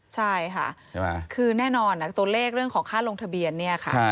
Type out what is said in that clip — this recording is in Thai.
ใช่ค่ะคือแน่นอนตัวเลขเรื่องของค่าลงทะเบียนเนี่ยค่ะ